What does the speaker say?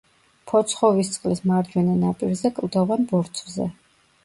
ფოცხოვისწყლის მარჯვენა ნაპირზე, კლდოვან ბორცვზე.